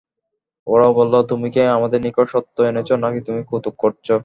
ওরা বলল, তুমি কি আমাদের নিকট সত্য এনেছ, নাকি তুমি কৌতুক করছ?